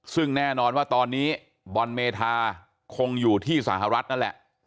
ซึ่งแน่นอนว่าตอนนี้บอลเมธาคงอยู่ที่สหรัฐนั่นแหละ